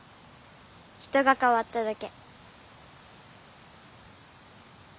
人がかわっただけ。